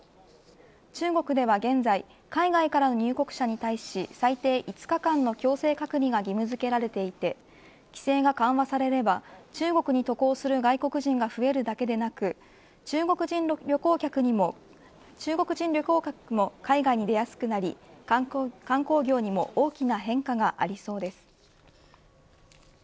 中国では現在海外からの入国者に対し最低５日間の強制隔離が義務付けられていて規制が緩和されれば中国に渡航する外国人が増えるだけでなく中国人旅行客も海外に出やすくなり観光業にも大きな変化がありそうです。